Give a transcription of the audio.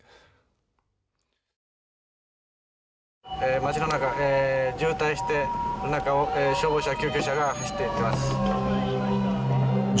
町の中渋滞してる中を消防車や救急車が走っていってます。